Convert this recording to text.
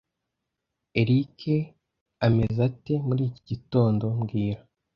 Eric ameze ate muri iki gitondo mbwira